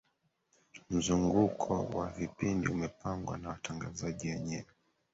mzunguko wa vipindi umepangwa na watangazaji wenyewe